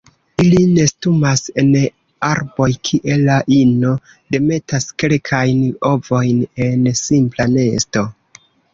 Ili nestumas en arboj, kie la ino demetas kelkajn ovojn en simpla nesto.